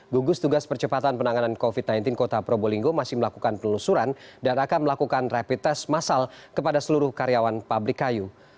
gugus tugas percepatan penanganan covid sembilan belas kota probolinggo masih melakukan penelusuran dan akan melakukan rapid test masal kepada seluruh karyawan pabrik kayu